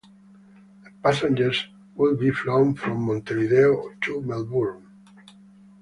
The passengers would be flown from Montevideo to Melbourne.